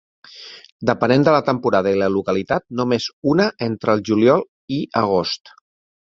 Depenent de la temporada i la localitat, només una entre el juliol i agost.